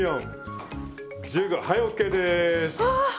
はいＯＫです。